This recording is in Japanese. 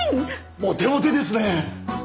モテモテですね！